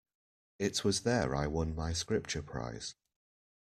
It was there I won my Scripture prize.